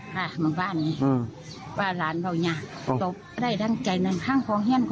ค่ะบางบ้านนี้ว่าร้านเราอย่างนี้